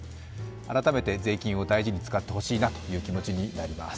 改めて税金を大事に使ってほしいなという気持ちになります。